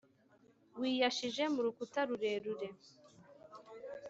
wiyashije mu rukuta rurerure: